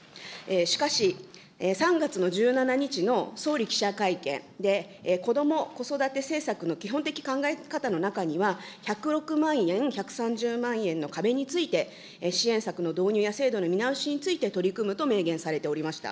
しかし、３月の１７日の総理記者会見で、こども・子育て政策の基本的考え方の中には、１０６万円、１３０万円の壁について、支援策の導入や制度の見直しについて取り組むと明言されておりました。